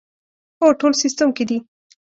هو، ټول سیسټم کې دي